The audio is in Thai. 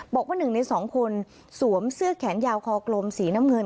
บอกว่า๑ใน๒คนสวมเสื้อแขนยาวคอกลมสีน้ำเงิน